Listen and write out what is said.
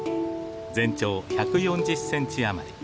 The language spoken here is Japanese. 全長１４０センチ余り。